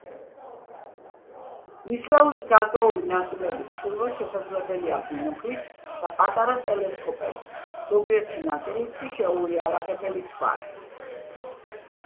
ნისლეულის გარკვეული ნაწილების ხილვა შესაძლებელია ბინოკლით და პატარა ტელესკოპებით, ზოგიერთი ნაწილის კი შეუიარაღებელი თვალით.